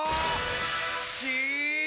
し！